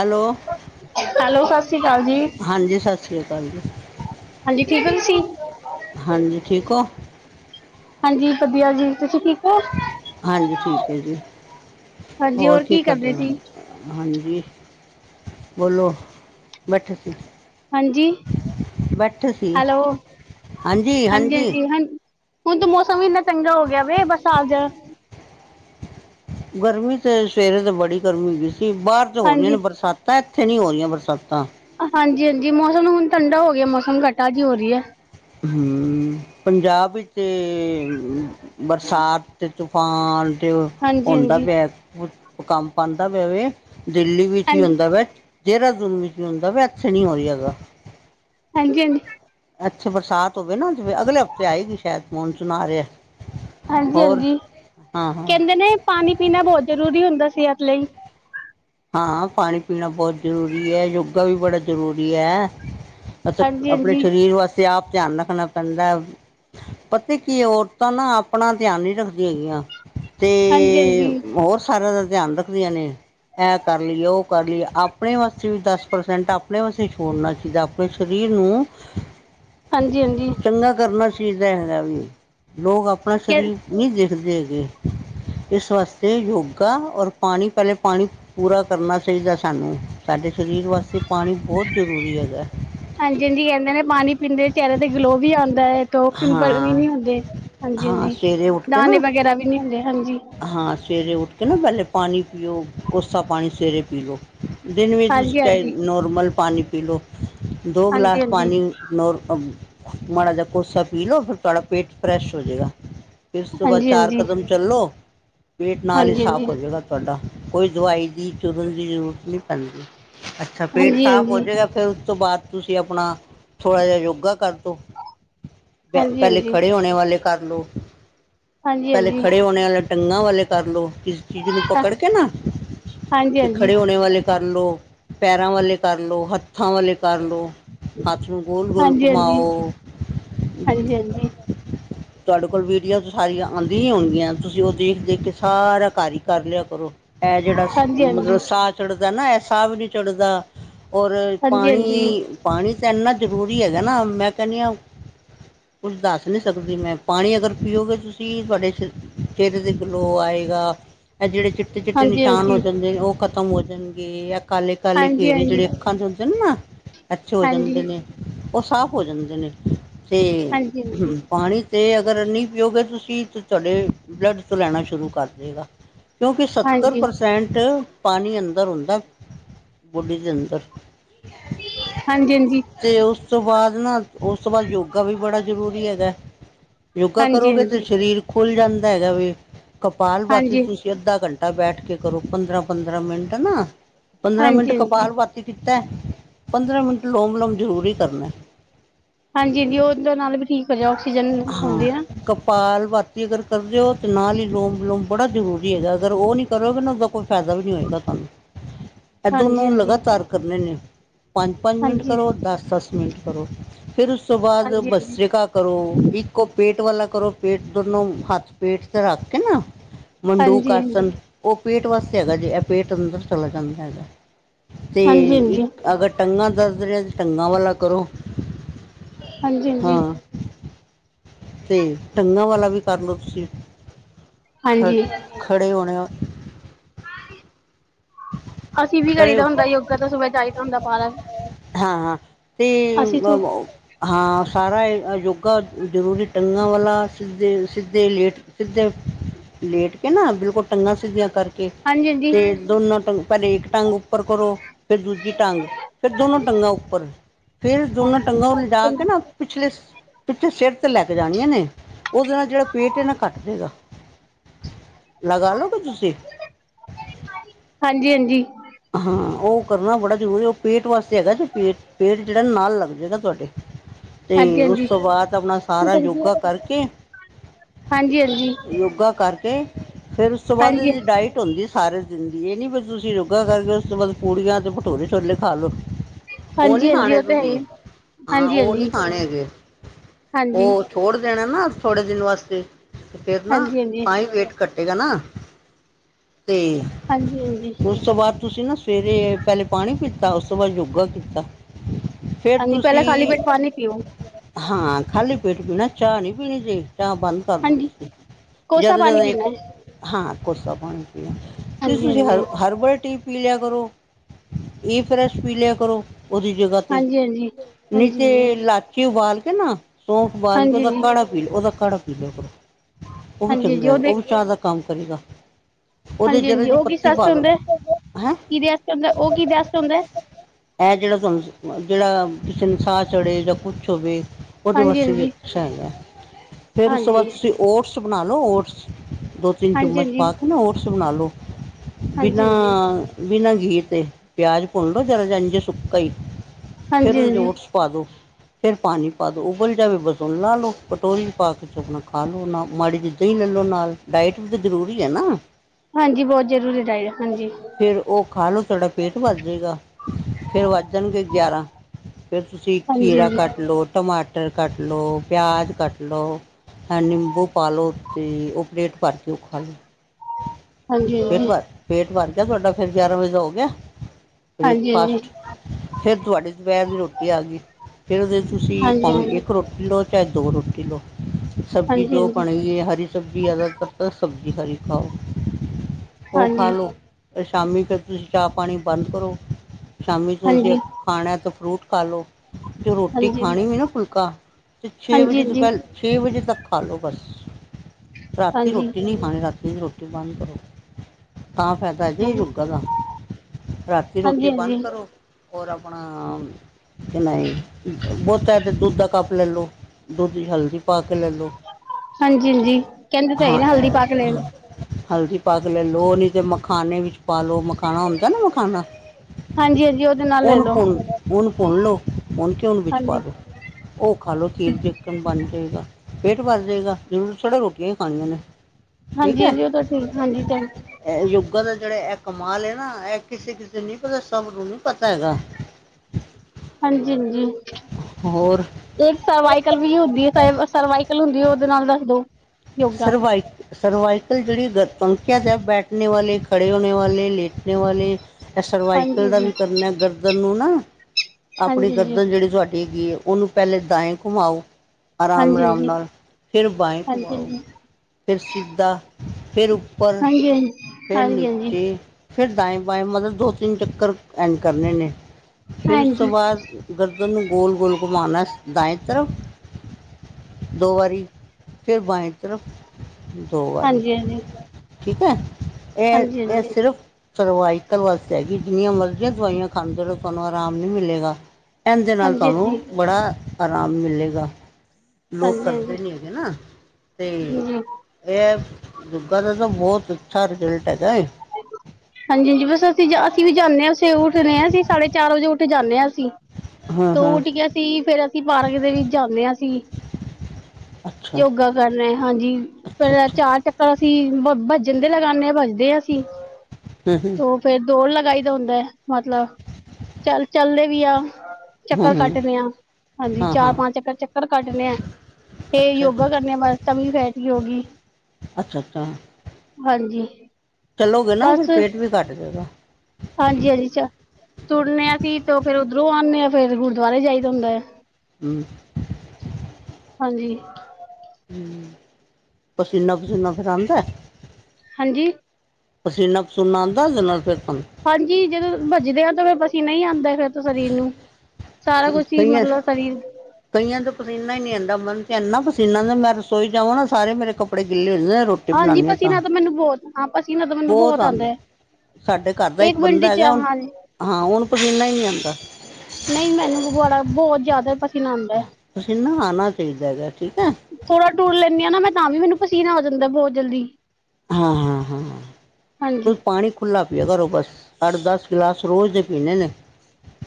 Hello, hello ਸਤਿ ਸ੍ਰੀ ਅਕਾਲ ਜੀ ਹਾਂਜੀ ਸਸ ਸ਼੍ਰੀ ਅਕਾਲ ਜੀ। ਹਾਂਜੀ, ਠੀਕ ਓ ਤੁਸੀਂ? ਹਾਂਜੀ, ਠੀਕ ਓ? ਹਾਂਜੀ ਵਧੀਆ ਜੀ, ਤੁਸੀਂ ਠੀਕ ਹੋ ਹਾਂਜੀ ਠੀਕ ਐ ਜੀ, ਹੋਰ ਕੀ ਕਰਦੇ ਓ? ਹਾਂਜੀ, ਬੋਲੋ ਬੈਠੇ ਸੀ। ਹਾਂਜੀ, ਬੈਠੇ ਸੀ ਹੈਲੋ, ਹਾਂਜੀ ਹਾਂਜੀ ਹਾਂਜੀ-ਹਾਂਜੀ ਹਾਂ। ਹੁਣ ਤੇ ਮੌਸਮ ਵੀ ਏਨਾ ਚੰਗਾ ਹੋ ਗਿਆ ਵੇ, ਬਸ ਆਜ ਗਰਮੀ ਤੇ ਸਵੇਰੇ ਤੇ ਬੜੀ ਗਰਮੀ ਹੋਗੀ ਸੀ, ਬਾਰ ਤਾਂ ਹੋ ਰਹੀਆਂ ਹਾਂਜੀ ਨੇ ਬਰਸਾਤ ਏਥੇ ਨੀ ਹੋ ਰਹੀਆਂ ਬਰਸਾਤਾਂ ਹਾਂਜੀ-ਹਾਂਜੀ, ਮੌਸਮ ਹੁਣ ਠੰਡਾ ਹੋ ਗਿਆ। ਮੌਸਮ ਘਟਾ ਜੀ ਹੋ ਰਹੀ ਐ। ਹੂੰ, ਪੰਜਾਬ ਵਿੱਚ, ਏ ਬਰਸਾਤ ਤੇ ਫਾਨ ਤੇ ਹਾਂਜੀ ਹੁੰਦਾ ਹਾਂਜੀ ਪਿਆ ਭੂਕੰਮ ਆਂਦਾ ਪਿਆਵੇ, ਦਿੱਲੀ ਵਿੱਚ ਹਾਂ ਵੀ ਹੁੰਦਾ ਪਿਆ, ਦੇਹਰਾਦੂਨ ਵਿੱਚ ਵੀ ਹੁੰਦਾ ਪਿਆ ਇੱਥੇ ਨੀ ਹੋ ਰਿਹਾ ਹੈਗਾ। ਹਾਂਜੀ-ਹਾਂਜੀ। ਅੱਛਾ, ਬਰਸਾਤ ਹੋਵੇ ਨਾ ਜਿਵੇ ਅਗਲੇ ਹਫ਼ਤੇ ਆਏਗੀ ਸ਼ਾਇਦ, ਮੋਨਸੂਨ ਆ ਰਿਹਾ। ਹਾਂਜੀ, ਹੋਰ ਹਾਂਜੀ, ਹਾਂ ਹਾਂ ਕਹਿੰਦੇ ਨੇ ਪਾਣੀ- ਪੀਣਾ ਬਹੁਤ ਜ਼ਰੂਰੀ ਹੁੰਦਾ ਸਿਹਤ ਲਈ। ਹਾਂ ਪਾਣੀ- ਪੀਣਾ ਬਹੁਤ ਜ਼ਰੂਰੀ ਐ, ਯੋਗਾ ਵੀ ਬੜਾ ਜ਼ਰੂਰੀ ਐ। ਮਤਲਬ, ਹਾਂਜੀ ਆਪਣੇ ਹਾਂਜੀ ਸਰੀਰ ਵਾਸਤੇ ਆਪ ਧਿਆਨ ਰੱਖਣਾ ਪੈਂਦਾ ਐ। ਪਤਾ ਕੀ ਔਰਤਾਂ ਨਾ ਆਪਣਾ ਧਿਆਨ ਨੀ ਰੱਖਦੀ ਹੈਗੀਆਂ। ਤੇ ਹਾਂਜੀ ਹੋਰ ਸਾਰਿਆਂ ਦਾ ਧਿਆਨ ਰੱਖਦੀਆਂ ਨੇ, ਇਹ ਕਰ ਲਈਏ, ਉਹ ਕਰ ਲਈਏ, ਆਪਣੇ ਵਾਸਤੇ ਵੀ ਦਸ ਪ੍ਰਸੈਂਟ, ਆਪਣੇ ਵਾਸਤੇ ਛੋੜਨਾ ਚਾਹੀਦਾ। ਆਪਣੇ ਸਰੀਰ ਨੂੰ ਹਾਂਜੀ, ਹਾਂਜੀ। ਚੰਗਾ ਕਰਨਾ ਚਾਹੀਦਾ ਹੈਗਾ ਵੀ, ਲੋਕ ਆਪਣਾ ਸਰੀਰ ਨਈ ਦੇਖਦੇ ਹੇਗੇ, ਇਸ ਵਾਸਤੇ ਯੋਗਾ ਔਰ ਪਾਣੀ ਪਹਿਲੇ ਪਾਣੀ ਪੂਰਾ ਕਰਨਾ ਚਾਹੀਦਾ ਸਾਨੂੰ, ਸਾਡੇ ਸਰੀਰ ਵਾਸਤੇ ਪਾਣੀ ਬਹੁਤ ਜ਼ਰੂਰੀ ਹੈਗਾ। ਹਾਂਜੀ, ਹਾਂਜੀ ਕਹਿੰਦੇ ਨੇ ਪਾਣੀ ਪੀਂਦੇ ਚਿਹਰੇ ਤੇ ਗਲੋ ਵੀ ਆਂਦਾ ਐ। ਤੋਂ ਪਿੰਪਲ ਵੀ ਹਾਂ ਨੀ ਹੁੰਦੇ। ਹਾਂਜੀ, ਹਾਂ ਹਾਂਜੀ, ਸਵੇਰੇ ਉੱਠ ਕੇ ਦਾਣੇ ਨਾ ਵਗੈਰਾ ਵੀ ਨੀ ਹੁੰਦੇ ਹਾਂਜੀ। ਹਾਂ ਸਵੇਰੇ ਉੱਠ ਕੇ ਨਾ ਪਹਿਲੇ ਪਾਣੀ ਪੀਓ, ਕੋਸਾ ਪਾਣੀ ਸਵੇਰੇ ਪੀ ਲਓ। ਦਿਨ ਵਿੱਚ ਤੁਸੀਂ ਹਾਂਜੀ ਚਾਹੇ ਹਾਂਜੀ ਨਾਰਮਲ ਪਾਣੀ ਪੀਲੋ, ਦੋ ਹਾਂਜੀ ਗਲਾਸ ਪਾਣੀ ਨੋਰ ਅ ਮਾੜਾ ਜ ਕੋਸਾ ਪੀ ਲਓ, ਫਿਰ ਤਾਡਾ ਪੇਟ ਫਰੈਸ਼ ਹੋ ਜਾਏਗਾ। ਫਿਰ ਸੁਬਅ ਹਾਂਜੀ ਚਾਰ ਕਦਮ ਚੱਲੋ, ਪੇਟ ਨਾਲ ਈ ਹਾਂਜੀ ਸਾਫ਼ ਹੋ ਜੇਗਾ। ਤੁਹਾਡਾ, ਕੋਈ ਦਵਾਈ ਦੀ ਚੁਰਨ ਦੀ ਜ਼ਰੂਰਤ ਨਈ ਪੈਂਦੀ, ਅੱਛਾ ਪੇਟ ਹਾਂਜੀ ਸਾਫ਼ ਹਾਂਜੀ ਹੋ ਜੇਗਾ। ਫਿਰ ਉਸ ਤੋਂ ਬਾਅਦ ਤੁਸੀਂ ਆਪਣਾ, ਥੋੜ੍ਹਾ ਜਿਆ ਯੋਗਾ ਕਰ ਦਉ। ਬ ਪਹਿਲੇ ਖੜੇ ਹੋਣੇ ਵਾਲੇ ਕਰਲਓ, ਹਾਂਜੀ ਹਾਂਜੀ ਪਹਿਲੇ ਖੜੇ ਹੋਣੇ ਆਲੇ ਟੰਗਾਂ ਵਾਲੇ ਕਰ ਲਓ। ਚੀਜ਼ ਨੂੰ ਪਕੜ ਕੇ ਨਾ, ਹਾਂਜੀ ਤੇ ਹਾਂਜੀ ਖੜੇ ਹੋਣੇ ਵਾਲੇ ਕਰ ਲਓ। ਪੈਰਾਂ ਵਾਲੇ ਕਰ ਲਓ, ਹੱਥਾਂ ਵਾਲੇ ਕਰ ਲਓ, ਹੱਥ ਨੂੰ ਗੋਲ- ਗੋਲ ਘੁੰਮਾਓ। ਹਾਂਜੀ, ਹਾਂਜੀ। ਤੁਹਾਡੇ ਕੋਲ ਵੀਡੀਓ ਸਾਰੀਆਂ ਆਂਦੀਆ ਈ ਹੋਣਗੀਆਂ, ਤੁਸੀਂ ਉਹ ਦੇਖ- ਦੇਖ ਕੇ ਸਾਰਾ ਘਰ ਈ ਕਰ ਲਿਆ ਕਰੋ। ਇਹ ਜਿਹੜਾ ਹਾਂਜੀ ਹਾਂਜੀ ਹਾਂਜੀ ਮਤਲਬ ਸਾਹ ਚੜਦਾ ਨਾ, ਇਹ ਸਾਹ ਵੀ ਨੀ ਚੜਦਾ। ਔਰ ਪਾਣੀ, ਪਾਣੀ ਤਾਂ ਇੰਨਾ ਜ਼ਰੂਰੀ ਹੈਗਾ ਨਾ, ਮੈਂ ਕਹਿੰਨੀ ਆ। ਕੁਝ ਦੱਸ ਨਹੀਂ ਸਕਦੀ ਮੈਂ, ਪਾਣੀ ਅਗਰ ਪੀਓਗੇ ਤੁਸੀਂ, ਤੁਹਾਡੇ ਚਿਹਰੇ ਦੇ ਗਲੋਂ ਆਏਗਾ। ਇਹ ਜਿਹੜੇ ਚਿੱਟੇ- ਹਾਂਜੀ ਹਾਂਜੀ ਹਾਂਜੀ ਹਾਂਜੀ ਹਾਂਜੀ ਹਾਂਜੀ ਚਿੱਟੇ ਨਿਸ਼ਾਨ ਹੋ ਜਾਂਦੇ ਨੇ, ਉਹ ਖਤਮ ਹੋ ਜਾਣਗੇ। ਕਾਲੇ -ਕਾਲੇ ਘੇਰੇ ਜਿਹੜੇ ਅੱਖਾਂ ਦੇ ਹੁੰਦੇ ਨੇ ਨਾ, ਅੱਛੇ ਹੋ ਜਾਂਦੇ ਨੇ। ਉਹ ਸਾਫ਼ ਹੋ ਜਾਂਦੇ ਨੇ, ਤੇ ਹ ਪਾਣੀ ਤੇ ਅਗਰ ਨਹੀਂ ਪੀਓਗੇ ਤੁਸੀਂ, ਤੁਹਾਡੇ ਬਲੱਡ ਤੋਂ ਲੈਣਾ ਸ਼ੁਰੂ ਕਰ ਦੇਗਾ। ਕਿਉਂਕਿ ਹਾਂਜੀ ਹਾਂਜੀ ਸੱਤਰ ਪ੍ਰਸੈਂਟ ਪਾਣੀ ਅੰਦਰ ਉਦਾ, ਬੁੱਡੀ ਦੇ ਅੰਦਰ। ਹਾਂਜੀ, ਹਾਂਜੀ। ਤੇ ਉਸ ਤੋਂ ਬਾਅਦ ਨਾ, ਉਸ ਤੋਂ ਬਾਅਦ ਯੋਗਾ ਵੀ ਬੜਾ ਜਰੂਰੀ ਹੈਗਾ। ਯੋਗਾ ਹਾਂਜੀ ਕਰੋਗੇ ਤੇ ਹਾਂਜੀ ਸਰੀਰ ਖੁੱਲ ਜਾਂਦਾ ਹੈਗਾ ਵੀ, ਕਪਾਲ ਬਾਤੀ ਹਾਂਜੀ ਹਾਂਜੀ ਹਾਂਜੀ ਹਾਂਜੀ ਹਾਂਜੀ ਹਾਂਜੀ ਹਾਂਜੀ ਹਾਂਜੀ ਹਾਂਜੀ ਤੁਸੀਂ ਅੱਧਾ ਘੰਟਾ ਬੈਠ ਕੇ ਕਰੋ। ਪੰਦਰਾਂ -ਪੰਦਰਾਂ ਮਿੰਟ ਹਨਾ, ਪੰਦਰਾਂ ਮਿੰਟ ਹਾਂਜੀ ਹਾਂਜੀ ਕਪਾਲ ਵਤ ਕੀਤਾ, ਪੰਦਰਾਂ ਮਿੰਟ ਲੋਮ- ਲੋੋਮ ਜਰੂਰੀ ਕਰਨਾ। ਹਾਂਜੀ, ਹਾਂਜੀ ਉਹ ਨਾਲ ਵੀ ਠੀਕ ਹੋ ਜਾ, ਆਕਸੀਜਨ ਹੁੰਂਦੀ ਨਾ। ਪਾਲ ਬਾਤੀ ਅਗਰ ਕਰਦੇ ਔ ਤਾਂ ਨਾਲ ਹੀ ਲੋਮ- ਲੋੋਮ ਬੜਾ ਜ਼ਰੂਰੀ ਹੈਗਾ, ਅਗਰ ਉਹ ਨਹੀਂ ਕਰੋਗੇ ਨਾ ਉਹਦਾ ਕੋਈ ਫਾਇਦਾ ਵੀ ਨੀ ਹੋਏਗਾ ਤੁਹਾਨੂੰ। [inaudible] ਇਹ ਦੋਨੋਂ ਹਾਂਜੀ ਲਗਾਤਾਰ ਕਰਨੇ ਨੇ, ਪੰਜ -ਪੰਜ ਮਿੰਟ ਹਾਂਜੀ ਕਰੋ। ਦਸ- ਦਸ ਮਿੰਟ ਕਰੋ। ਫਿਰ ਉਸ ਤੋਂ ਬਾਅਦ, ਹਾਂਜੀ ਬੱਸਰੇ ਕ ਕਰੋ ਇੱਕੋ ਪੇਟ ਵਾਲਾ ਕਰੋ ਪੇਟ ਦੋਨੋ ਹੱਥ ਪੇਟ ਤੇ ਰੱਖ ਕੇ ਨਾ ਮੰਡੂਕ ਹਾਂਜੀ ਆਸਨ ਓ ਪੇਟ ਵਾਸਤੇ ਹੈਗਾ ਜੇ, ਐ ਪੇਟ ਅੰਦਰ ਚਲਾ ਜਾਂਦਾ ਹੈਗਾ। ਤੇ ਹਾਂਜੀ ਹਾਂਜੀ ਹਾਂਜੀ ਇੱਕ ਅਗਰ ਟੰਗਾਂ ਦਰਦ ਨੇ, ਤੇ ਟੰਗਾਂ ਵਾਲਾ ਕਰੋ। ਹਾਂਜੀ-ਹਾਂਜੀ। ਹਾਂ ਤੇ ਟੰਗਾਂ ਵਾਲਾ ਵੀ ਕਰਲੋ ਤੁਸੀਂ, ਖ ਹਾਂਜੀ ਖੜੇ ਹੋਣੇ ਅਸੀਂ ਵੀ ਖੜੇ ਕਰੀਦਾ ਹੋ ਹੁੰਦਾ ਯੋਗਾ ਤੇ ਸੁਬਹ ਜਾਹੀਦਾ ਹੁੰਦਾ ਪਾਰਕ ਹਾਂ ਤੇ ਅਸੀਂ ਮ ਵ ਹਾਂ ਸਾਰਾ ਯ ਯੋਗਾ ਜ਼ਰੂਰੀ ਟੰਗਾਂ ਵਾਲਾ ਸਿੱਧੇ-ਸਿੱਧੇ ਲੇਟ ਸਿੱਧੇ ਲੇਟ ਕੇ ਨਾ ਬਿਲਕੁਲ ਟੰਗਾਂ ਸਿੱਧੀਆਂ ਕਰਕੇ ਹਾਂਜੀ ਹਾਂਜੀ ਤੇ ਦੋਨਾਂ ਟੰਗ ਪੈਲੇ ਏਕ ਟੰਗ ਉੱਪਰ ਕਰੋ ਫਿਰ ਦੂਜੀ ਟੰਗ ਫੇਰ ਦੋਨੋ ਟੰਗਾਂ ਉੱਪਰ ਫੇਰ ਦੋਨੋ ਟੰਗਾਂ ਉਲਜਾ ਹਾਂਜੀ ਕੇ ਨਾ ਪਿਛਲੇ ਸ ਪਿੱਛੇ ਸਿਰ ਤੇ ਲੈ ਕੇ ਜਾਣੀਆਂ ਨੇ ਓਦੇ ਨਾਲ ਜੇੜਾ ਪੇਟ ਏ ਨਾ ਕੱਟ ਜੇਗਾ। ਲਗਾ ਲਓਗੇ ਤੁਸੀਂ ਹਾਂਜੀ-ਹਾਂਜੀ। ਹਾਂ ਓ ਕਰਨਾ ਬੜਾ ਜ਼ਰੂਰੀ ਓ ਪੇਟ ਵਾਸਤੇ ਹੈਗਾ ਜੇ ਪੇਟ ਪੇਟ ਜੇੜਾ ਨਾਲ ਲੱਗ ਜੇਗਾ ਤੁਆਡੇ ਤੇ ਓਸ ਹਾਂਜੀ ਤੋਂ ਬਾਦ ਆਪਣਾ ਸਾਰਾ ਯੋਗਾ ਕਰਕੇ ਹਾਂਜੀ-ਹਾਂਜੀ। ਯੋਗਾ ਕਰਕੇ ਫੇਰ ਉਸ ਤੋਂ ਬਾਅਦ ਹਾਂਜੀ ਏਦੀ ਡਾਇਟ ਹੁੰਦੀ ਸਾਰੇ ਦਿਨ ਦੀ ਏਹ ਨਈ ਵੀ ਤੁਸੀਂ ਯੋ ਗਾ ਕਰਕੇ ਉਸ ਤੋਂ ਬਾਦ ਪੂੜੀਆਂ ਤੇ ਪਠੂਰੇ-ਛੋਲੇ ਖਾ ਲੋ ਓ ਨੀ ਹਾਂਜੀ ਖਾਣੇ ਉਹ ਤਾਂ ਹੈ ਤੁਸੀਂ ਹੀ ਹਾਂ ਹਾਂਜੀ ਓ ਨੀ ਹਾਂਜੀ ਖਾਣੇ ਹੈਗੇ ਓ ਹਾਂਜੀ ਛੋੜ ਦੇਣਾ ਨਾ ਥੋੜੇ ਦਿਨ ਵਾਸਤੇ ਤੇ ਫੇਰ ਨਾ ਹਾਂਜੀ ਹਾਂਜੀ ਤਾਂ ਈ ਵੇਟ ਕੱਟੇਗਾ ਨਾ ਤੇ ਹਾਂਜੀ-ਹਾਂਜੀ। ਉਸ ਤੋਂ ਬਾਦ ਤੁਸੀਂ ਨਾ ਸਵੇਰੇ ਪੈਲੇ ਪਾਨੀ ਪੀਤਾ ਉਸ ਤੋਂ ਬਾਅਦ ਯੋਗਾ ਕੀਤਾ ਫੇਰ ਹਾਂਜੀ ਪਹਿਲਾਂ ਖਾਲੀ ਤੁਸੀਂ ਪੇਟ ਪਾਣੀ ਪੀਓ ਹਾਂ ਖਾਲੀ ਪੇਟ ਪੀਨਾ ਚਾ ਨੀ ਪੀਣੀ ਜੇ ਚਾ ਬੰਦ ਕਰਦੋ ਹਾਂਜੀ ਤੇ ਕੋਸਾ ਜਾਦਾ ਤੋ ਪਾਣੀ ਜਾਦਾ ਇੱਕ ਪੀਣਾ ਹੈ ਹਾਂ ਕੋਸਾ ਪਾਨੀ ਪੀਨਾ ਤੇ ਹਾਂਜੀ ਤੁਸੀਂ ਹਰ ਹਾਂਜੀ ਹਰਬਲ ਟੀ ਪੀ ਲਯਾ ਕਰੋ ਈ ਫਰੈਸ਼ ਪੀ ਲਯਾ ਕਰੋ ਓਦੀ ਜਗ੍ਹਾ ਤੇ ਹਾਂਜੀ ਹਾਂਜੀ ਨੀ ਹਾਂਜੀ ਹਾਂਜੀ ਤੇ ਲਾ ਚੀ ਉਬਾਲ ਕੇ ਨਾ ਸੌਂਫ ਬਾਲ ਕੇ ਹਾਂਜੀ ਹਾਂਜੀ ਓਦਾ ਹਾਂਜੀ ਕਾੜਾ ਪੀ ਲੋ ਓਦਾ ਕਾੜਾ ਪੀ ਲਯਾ ਕਰੋ ਓ ਵੀ ਹਾਂਜੀ ਚੰਗਾ ਐ ਉਹਦੇ ਓ ਵੀ ਚਾ‌ ਦਾ ਕੰਮ ਕਰੇਗਾ। ਉਹਦੇ ਜਰਾ ਹਾਂਜੀ-ਹਾਂਜੀ ਜੀ ਓ ਕਿਸ ਪੱਤੀ ਪਾ ਵਸਤੇ ਲਓ ਹੁੰਦੈ ਹੈਂ ਕਿਦੇ ਆਸਤੇ ਹੁੰਦਾ, ਓ ਕਿਦੇ ਆਸਤੇ ਹੁੰਦਾ? ਐ ਜੇੜਾ ਤਾਨੂੰ ਜੇੜਾ ਕਿਸੇ ਨੂੰ ਸਾਹ ਚੜੇ ਜਾਂ ਕੁਛ ਹੋਵੇ ਓਦੇ ਹਾਂਜੀ ਵਾਸਤੇ ਵੀ ਅ ਹਾਂਜੀ ਅੱਛਾ ਹੈਗਾ ਫਿਰ ਉਸ ਤੋਂ ਬਾਅਦ ਤੁਸੀਂ ਓਟਸ ਬਣਾ ਲਓ ਓਟਸ ਦੋ-ਤਿੰਨ ਹਾਂਜੀ ਚਮਚ ਹਾਂਜੀ ਪਾਕੇ ਨਾ ਓਟਸ ਬਣਾ ਲੋ ਹਾਂਜੀ ਬਿਨਾਂ ਹਾਂਜੀ ਬਿਨਾਂ ਘੀ ਤੇ ਪਿਆਜ ਭੁੰਨ ਲੋੋ ਜਰਾ ਜਯਾ ਇੰਝੇ ਸੁੱਕਾ ਈ ਫਿਰ ਹਾਂਜੀ ਓਦੇ ਚ ਹਾਂਜੀ ਹਾਂਜੀ ਓਟਸ ਪਾ ਦੋ ਫਿਰ ਪਾਨੀ ਪਾ ਦੋ ਉਬਲ ਜਾਵੇ ਬਸ ਓਨੂ ਲਾ ਲੋ ਕਟੋਰੀ ਚ ਪਾ ਕੇ ਅਪਣਾ ਖਾ ਲੋ ਨਾ ਮਾੜੀ ਜੀ ਦਈ ਲੈਲੋ ਨਾਲ ਡਾਇਟ ਵੀ ਤੇ ਜ਼ਰੂਰੀ ਏ ਨਾ ਹਾਂਜੀ ਬੋਤ ਜ਼ਰੂਰੀ ਡਾਇਟ ਹਾਂਜੀ। ਫੇਰ ਓ ਖਾ ਲੋ ਤੁਆਡਾ ਪੇਟ ਪਰ ਜੇਗਾ ਫੇਰ ਵੱਜ ਜਾਣਗੇ ਗਿਆਰਾਂ ਫਿਰ ਤੁਸੀਂ ਖੀਰਾ ਹਾਂਜੀ ਹਾਂਜੀ ਕੱਟ ਲੋ, ਟਮਾਟਰ ਕੱਟ ਲੋ, ਪਿਆਜ਼ ਕੱਟ ਲੋ ਹਾਂ ਨਿੰਬੂ ਪਾ ਲੋ ਤੇ ਉਹ ਪਲੇਟ ਭਰ ਕੇ ਉਹ ਖਾਲੋ। ਹਾਂਜੀ ਪੇਟ ਹਾਂਜੀ ਭਰ ਪੇਟ ਭਰ ਗਿਆ ਤੁਹਾਡਾ ਫੇਰ ਗਿਆਰਾਂ ਵਜੇ ਦਾ ਹੋ ਗਿਆ। ਹਾਂਜੀ ਬ੍ਰੇਕਫਾਸਟ ਫੇਰ ਤੁਹਾਡੇ ਦੁਪਹਿਰ ਦੀ ਰੋਟੀ ਆ ਗਈ। ਫਿਰ ਉਹਦੇ ਤੁਸੀਂ ਹਾਂਜੀ ਭਾਵੇਂ ਇੱਕ ਰੋਟੀ ਲਓ ਚਾਹੇ ਦੋ ਰੋਟੀ ਲਓ ਸਬਜ਼ੀ ਹਾਂਜੀ ਜੋ ਹਾਂਜੀ ਬਣਗੀ ਏ ਹਰੀ ਸਬਜ਼ੀ ਜ਼ਿਆਦਾਤਰ ਤਾਂ ਸਬਜ਼ੀ ਹਰੀ ਖਾਓ। ਉਹ ਖਾ ਹਾਂਜੀ ਲਓ ਫੇਰ ਸ਼ਾਮੀ ਫਿਰ ਤੁਸੀਂ ਚਾਹ ਪਾਣੀ ਬੰਦ ਕਰੋ, ਸ਼ਾਮੀ ਤੁਸੀ ਹਾਂਜੀ ਖਾਣਾ ਤਾ ਫਰੂਟ ਖਾ ਲੋ, ਜੇ ਰੋਟੀ ਹਾਂਜੀ ਖਾਣੀ ਵੀ ਨਾ ਫੁਲਕਾ ਤੇ ਛੇ ਵਜੇ ਤੋਂ ਹਾਂਜੀ ਹਾਂਜੀ ਪਹਿਲ ਛੇ ਵਜੇ ਤੱਕ ਖਾ ਲਓ ਬਸ, ਰਾਤੀ ਹਾਂਜੀ ਹਾਂਜੀ ਰੋਟੀ ਨੀ ਖਾਣੀ ਰਾਤੀ ਨੀ ਰੋਟੀ ਬੰਦ ਕਰੋ, ਤਾਂ ਫਾਇਦਾ ਏ ਜੀ ਹਾਂਜੀ ਯੋਗਾ ਦਾ ਰਾਤੀ ਰੋਟੀ ਬੰਦ ਹਾਂਜੀ ਕਰੋ ਔਰ ਆਪਣਾ ਕੇ ਨਈ ਬੋਤਾ ਤੇ ਦੁੱਧ ਦਾ ਕੱਪ ਲੇਲੋ। ਦੁੱਧ ਚ ਹਲਦੀ ਪਾ ਕੇ ਲੈ ਲੋ। ਹਾਂਜੀ-ਹਾਂਜੀ, ਕਹਿੰਦੇ ਤੇ ਹੈਗੇ ਨੇ ਹਲਦੀ ਪਾ ਕੇ ਇਹ- ਹਾਂ, ਲੈਲੋ। ਹਲਦੀ ਪਾ ਕੇ ਲੈ ਲੋ ਨੀ ਤੇ ਮਖਾਨੇ ਵਿੱਚ ਪਾਲੋ। ਮਖਾਣਾ ਹੁੰਦਾ ਐ ਨਾ ਮਖਾਣਾ, ਹਾਂਜੀ ਹਾਂਜੀ ਉਹਦੇ ਨਾਲ ਲੈ ਓਨੁ ਲਓ ਭੁਨ ਓਨੂੰ ਭੁਨ ਲਓ। ਭੁਨ ਕੇ ਓਨੂ ਵਿੱਚ ਪਾ ਹਾਂਜੀ ਦੋ, ਓ ਖਾ ਲਓ ਤੀਰਜ ਅਕਣ ਬਣ ਜੇਗਾ। ਪੇਟ ਭਰ ਜੇਗਾ ਜ਼ਰੂਰੀ ਥੋੜਾ ਰੋਟੀਆਂ ਈ ਖਾਣੀਆਂ ਨੇ‌। ਹਾਂਜੀ ਹਾਂਜੀ ਓ ਤਾਂ ਠੀਕ ਹਾਂਜੀ। ਐਯੋ ਔਦਾ ਜੇੜਾ ਐ ਕਮਾਲ ਐ ਨਾ ਐ ਕਿਸੇ ਕਿਸੇ ਨੀ ਪਤਾ ਸਭ ਨੂੰ ਨੀ ਪਤਾ ਹੈਗਾ। ਹਾਂਜੀ ਹਾਂਜੀ। ਹੋਰ ਏਕ ਸਰਵਾਈਕਲ ਵੀ ਹੁੰਦੀ ਏ ਸਈਵ ਸਰਵਾਈਕਲ ਹੁੰਦੀ ਏ ਓਦੇ ਨਾਲ ਦੱਸ ਦੋ। ਯੋਗਾ ਸਰਵਾਈ ਸਰਵਾਈਕਲ ਜੇੜੀ ਗਰਦਨ ਕੇ ਬੈਠਣੇ ਵਾਲੇ, ਖੜੇ ਹੋਣੇ ਵਾਲੇ, ਲੇਟਣੇ ਵਾਲੇ। ਐ ਹਾਂਜੀ ਸਰਵਾਈਕਲ ਦਾ ਹਾਂਜੀ ਵੀ ਕਰਨਾ ਐ ਗਰਦਨ ਨੂੰ ਨਾ, ਅਪਣੀ ਹਾਂਜੀ ਗਰਦਨ ਜੇੜੀ ਤੁਹਾਡੀ ਹੈਗੀ ਏ ਔਨੂੰ ਪਹਿਲੇ ਦਾਏ ਘੁੰਮਾਓ, ਅਰਾਮ ਹਾਂਜੀ ਰਾਮ ਹਾਂਜੀ ਨਾਲ ਫਿਰ ਬਾਂਏ ਘੁੰਮਾਓ। ਹਾਂਜੀ ਫੇਰ ਸਿੱਧਾ, ਫੇਰ ਉੱਪਰ, ਹਾਂਜੀ ਹਾਂਜੀ ਫੇਰ ਹਾਂਜੀ ਹਾਂਜੀ ਨਿਚੇ। ਫਿਰ ਦਾਏਂ ਬਾਏਂ ਮਤਲਬ ਦੋ ਤਿੰਨ ਚੱਕਰ ਐਂਜ ਕਰਨੇ ਨੇ ਫਿਰ ਉਸ ਤੋਂ ਹਾਂਜੀ ਹਾਂਜੀ ਹਾਂਜੀ ਬਾਦ ਗਰਦਨ ਨੂੰ ਗੋਲ ਗੋਲ ਘੁਮਾਣਾ ਐ ਦਾਏਂ ਤਰਫ। ਦੋ ਵਾਰੀ, ਫੇਰ ਬਾਏਂ ਤਰਫ। ਦੋ ਵਾਰੀ, ਹਾਂਜੀ ਠੀਕ ਐ ਏ ਐ ਹਾਂਜੀ ਸਿਰਫ ਸਰਵਾਈਕਲ ਵਾਸਤੇ ਹੈਗੀ। ਜਿੰਨੀਆਂ ਮਰਜ਼ੀਆਂ ਦਵਾਈਆਂ ਖਾਂਦੇ ਰੋ ਤੁਹਾਨੂੰ ਅਰਾਮ ਨੀ ਮਿਲੇਗਾ। ਐਂਦੇ ਨਾਲ ਹਾਂਜੀ ਹਾਂਜੀ ਹਾਂਜੀ ਤੁਹਾਨੂੰ ਬੜਾ ਆਰਾਮ ਮਿਲੇਗਾ। ਲੋਕ ਹਾਂਜੀ ਕਰਦੇ ਨੀ ਹੈਗੇ ਨਾ ਤੇ ਹਾਂਜੀ ਐ ਦੁਗਾ ਦਾ ਤਾ ਬੋਤ ਅੱਛਾ ਰਿਜਲਟ ਹੈਗਾ ਏ। [inaudible] ਹਾਂਜੀ ਜੀ ਬਸ ਅਸੀ ਜਾ ਅਸੀ ਵੀ ਜਾਂਨੇ ਆਂ ਅਸੀ ਉੱਠਨੇ ਅਸੀ ਸਾਢੇ ਚਾਰ ਵਜੇ ਉੱਠ ਜਾਂਨੇ ਆਂ ਅਸੀ। ਹਾਂ ਤੇ ਹਾਂ ਉਠ ਕੇ ਅਸੀ ਫੇਰ ਅਸੀ ਪਾਰਕ ਦੇ ਵਿੱਚ ਜਾਂਨੇ ਆਂ ਅਸੀ। ਅੱਛਾ ਯੋਗਾ ਕਰਨੇ ਹਾਂਜੀ। ਅੱਛਾ ਪੈਲਾ ਅੱਛਾ ਚਾਰ ਚੱਕਰ ਅਸੀ ਭ ਭੱਜਣ ਦੇ ਲਗਾਨੇ ਆਂ ਭੱਜਦੇ ਆਂ ਅਸੀ। ਹੂੰ ਓਹ ਫੇਰ ਦੌੜ ਲਗਾਈ ਦਾ ਹੁੰਦਾ ਐ ਮਤਲਬ, ਚੱਲ ਚਲਦੇ ਵੀ ਆਂ। ਹੂੰ ਚੱਕਰ ਹੂੰ ਕੱਟਦੇ ਆਂ, ਹਾਂਜੀ ਹਾਂ ਚਾਰ ਹਾਂ ਪੰਜ ਚੱਕਰ ਚੱਕਰ ਕੱਟਣੇ ਆਂ। ਤੇ ਅੱਛਾ ਜੀ ਯੋਗਾ ਕਰਨੇ ਆਂ ਬਸ ਤਵੀ ਫੈਟੀ ਹੋਗੀ ਅੱਛਾ ਅੱਛਾ ਹਾਂਜੀ। ਚੱਲੋਗੇ ਨਾ ਫੇਰ ਪੇਟ ਵੀ ਘੱਟ ਜੇਗਾ। ਹਾਂਜੀ-ਹਾਂਜੀ, ਚ ਤੁਰਨੇ ਆ ਅਸੀਂ ਤੋ ਫੇਰ ਓਧਰੋਂ ਆਨੇ ਆਂ, ਫੇਰ ਗੁਰਦੁਆਰੇ ਜਾਈਦਾ ਹੁੰਦਾ ਐ। ਹੂੰ। ਹਾਂਜੀ। ਹੁੰ, ਪਸੀਨਾ-ਪਸੂਨਾ ਫੇਰ ਆਂਦਾ? ਹਾਂਜੀ ਪਸੀਨਾ-ਪਸੂਨਾ ਆਂਦਾ ਔਦੇ ਨਾਲ ਫੇਰ ਤਾਨੂੰ? ਹਾਂਜੀ, ਜਦੋਂ ਭੱਜਦੇ ਆਂ ਤੇ ਫੇ, ਰ ਪਸੀਨਾ ਈ ਆਂਦਾ ਏ ਫੇਰ ਤੇ ਸਰੀਰ ਨੂੰ। ਸਾਰਾ ਕੁਛ ਹੀ ਸਈ ਐ। ਮਤਲਬ ਸਰੀਰ ਕਈਆਂ ਦ ਪਸੀਨਾ ਈ ਨੀ ਆਂਦਾ ਮੇਨ ਤੇ ਏਨਾ ਪਸੀਨਾ ਮੈਂ ਰਸੋਈ ਜਾਵਾਂ ਸਾਰੇ ਮੇਰੇ ਕੱਪੜੇ ਗਿੱਲੇ ਹੋ ਜਾਂਦੇ ਨੇ ਰੋਟ ਹਾਂਜੀ, ਪਸੀਨਾ ਤਾ ਮੈਨੂੰ ਬੋਤ ਹਾਂ, ਪਸੀਨਾ ਤੇ ਮੈਨੂੰ ਬੋਤ ਆਂਦਾ ਐ, ਸਾਡੇ ਘਰ ਦਾ ਇੱਕ ਏਕ ਬੰਦਾ ਮਿੰਟੀ ਚ, ਹੈਗਾ ਹੁਣ ਹਾਂਜੀ। ਹਾਂ, ਹੁਨ ਪਸੀਨਾ ਈ ਨੀ ਆਂਦਾ। ਨਈ, ਮੈਨੂੰ ਤੇ ਬੋੜਾ ਬੋਤ ਜਾਦਾ ਪਸੀਨਾ ਆਂਦਾ। ਪਸੀਨਾ ਆਨਾ ਚਾਈਦਾ ਹੈਗਾ, ਠੀਕ ਐ। ਥੋੜਾ ਟੂਰ ਲੇਨੀ ਆਂ ਨਾ ਮੈਂ ਤਾਂ ਵੀ ਮੈਨੂੰ ਪਸੀਨਾ ਆ ਜਾਂਦਾ ਬੋਤ ਜਲਦੀ। ਹਾਂ-ਹਾਂ, ਹਾਂ ਤੁ ਹਾਂਜੀ ਪਾਣੀ ਖੁੱਲਾ ਪੀਓ ਕਰੋ ਬਸ, ਅੱਠ-ਦਸ ਗਲਾਸ ਰੋਜ਼ ਦੇ ਪੀਣੇ ਨੇ।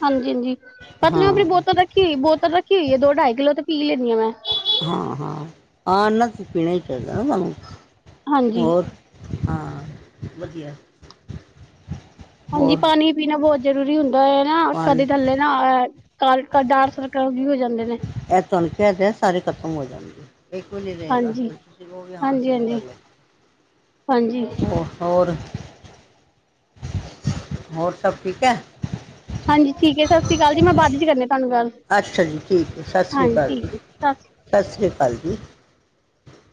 ਹਾਂਜੀ -ਹਾਂਜੀ, ਹਾਂ ਪਤਲੇਆ ਅਪਣੀ ਬੋਤਲ ਰੱਖੀ ਹੋਈ ਬੋਤਲ ਰੱਖੀ ਹੋਈ ਏ, ਦੋ-ਢਾਈ ਕਿਲੋ ਤੇ ਪੀ ਲੈਂਨੀ ਆ ਮੈਂ। ਹਾਂ-ਹਾਂ, ਹਾਂ ਨਾ ਏਨਾ ਤਾ ਪੀਣਾ ਹੀ ਚਾਈਦਾ ਨਾ ਤਾਨੂੰ, ਹਾਂਜੀ ਹੋਰ ਹਾਂ, ਵਧੀਆ। ਹਾਂਜੀ, ਹੋਰ ਪਾਨੀ ਪੀਨਾ ਬੋਹਤ ਜ਼ਰੂਰੀ ਹੁੰਦਾ ਏਨਾ, ਪਾਣੀ ਕਦੇ ਥੱਲੇ ਨਾ ਅ ਕਾਲ ਡਾਰ ਸਰਕਲ ਵੀ ਹੋ ਜਾਂਦੇ ਨੇ। ਐ ਤੁਐਨੂੰ ਕੇਯਾ ਤੇ ਹੈ, ਸਾਰੇ ਖ਼ਤਮ ਹੋ ਜਾਨਗੇ। ਏਕ ਵੀ ਨੀ ਰਏਗਾ, ਹਾਂਜੀ ਤੁਸੀ ਕੋ ਗੇ ਵੀ ਹਾਂ, ਹਾਂਜੀ ਸਹੀ ਹਾਂਜੀ ਗੱਲ ਹਾਂਜੀ ਏ। ਹੋਰ, ਹੋਰ ਸਭ ਠੀਕ ਐ? ਹਾਂਜੀ ਠੀਕ ਐ, ਸਸ੍ਰੀ ਅਕਾਲ ਜੀ, ਮੈਂ ਬਾਦ ਵਿੱਚ ਕਰਨੀ ਆਂ ਤਾਨੂੰ ਗੱਲ। ਅੱਛਾ ਜੀ, ਠੀਕ ਐ ਸਸ੍ਰੀ ਹਾਂਜੀ ਅਕਾਲ ਜੀ, ਠੀਕ ਹੈ ਸਤਿ ਸ਼੍ਰੀ ਸਸ੍ਰੀ ਅਕਾਲ ਜੀ।